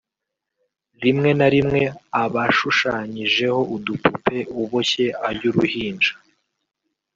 rimwe na rimwe abaashushanyijeho udupupe uboshye ay’uruhinja